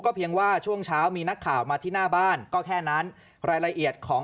เพียงว่าช่วงเช้ามีนักข่าวมาที่หน้าบ้านก็แค่นั้นรายละเอียดของ